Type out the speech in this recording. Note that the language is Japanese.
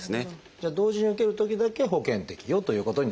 じゃあ同時に受けるときだけ保険適用ということになるわけですね。